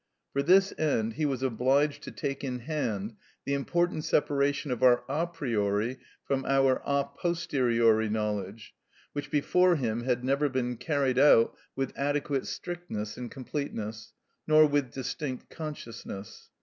For this end he was obliged to take in hand the important separation of our a priori from our a posteriori knowledge, which before him had never been carried out with adequate strictness and completeness, nor with distinct consciousness.